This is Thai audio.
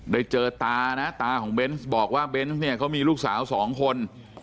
ได้เจอตานะตาของเบนส์บอกว่าเบนส์เนี่ยเขามีลูกสาวสองคน